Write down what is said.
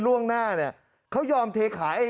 ล่วงหน้าเนี่ยเขายอมเทขาย